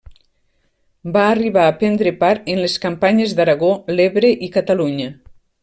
Va arribar a prendre part en les campanyes d'Aragó, l'Ebre i Catalunya.